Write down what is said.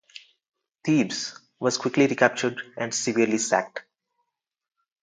Thebes was quickly recaptured and severely sacked.